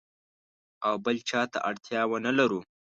او بل چاته اړتیا ونه لرو.